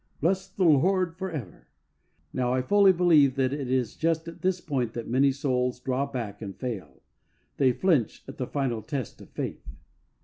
Bless the Lord for ever I Now I fully believe that it is just at this point that many souls draw back and fail. They flinch at the final test of faith.